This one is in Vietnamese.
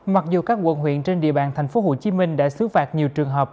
mặc dù các quận huyện trên địa bàn thành phố hồ chí minh đã xứ phạt nhiều trường hợp